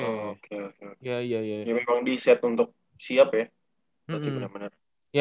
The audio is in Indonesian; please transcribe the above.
ini memang diset untuk siap ya